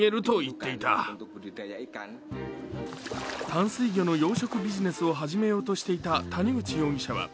淡水魚の養殖ビジネスを始めようとしていた谷口容疑者は。